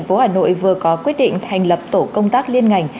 tỷ ban nhân dân thành phố hà nội vừa có quyết định thành lập tổ công tác liên ngành